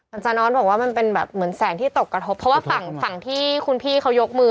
อาจารย์ออสบอกว่ามันเป็นแบบเหมือนแสงที่ตกกระทบเพราะว่าฝั่งฝั่งที่คุณพี่เขายกมือ